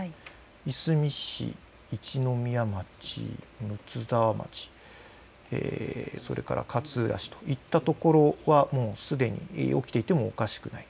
いすみ市、一宮町、睦沢町、それから勝浦市といったところはもうすでに起きていてもおかしくない。